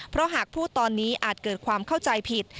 เพราะหากพูดตอนนี้อาจเกิดความเข้าใจผิด